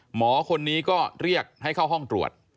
หมอคนนี้ก็เรียกให้เข้าห้องตรวจ